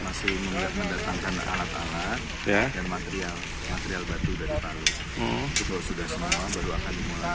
masih mendatangkan alat alat dan material material batu dari palu itu sudah semua baru akan dimulai